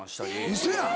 ウソやん！